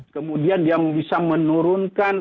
kemudian dia bisa menurunkan